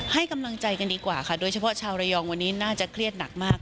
ให้กำลังใจกันดีกว่าค่ะโดยเฉพาะชาวระยองวันนี้น่าจะเครียดหนักมาก